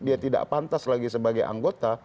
dia tidak pantas lagi sebagai anggota